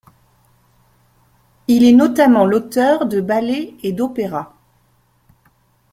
Il est notamment l'auteur de ballets et d'opéras.